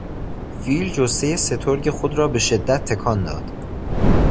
فیل جثهی سترگ خود را به شدت تکان داد.